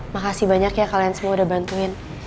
makasih banyak ya kalian semua udah bantuin